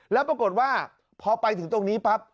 แล้วปรากฏว่าพอไปถึงตรงนี้ปั๊บ